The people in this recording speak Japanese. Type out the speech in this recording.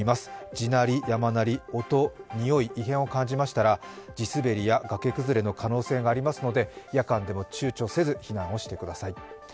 地鳴り、山鳴り、音、におい、異変を感じましたら地滑りや崖崩れのおそれがありますので夜間でも躊躇せず避難をしてください。